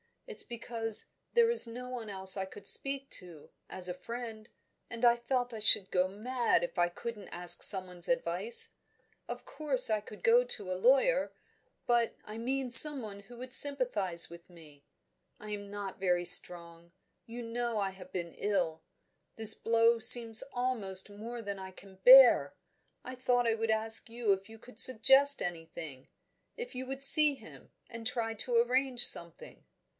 It's because there is no one else I could speak to, as a friend, and I felt I should go mad if I couldn't ask someone's advice. Of course I could go to a lawyer but I mean someone who would sympathise with me. I am not very strong; you know I have been ill: this blow seems almost more than I can bear; I thought I would ask you if you could suggest anything if you would see him, and try to arrange something."